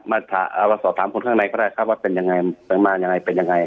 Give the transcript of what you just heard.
เราสอบถามคนข้างในก็ได้ครับว่าเป็นยังไงไปมายังไงเป็นยังไง